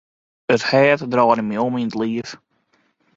It hart draaide my om yn it liif.